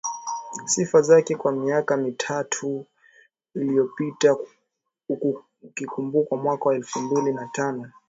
sifa zake kwa miaka mitatu iliyopita ukikumbuka mwaka elfu mbili na tano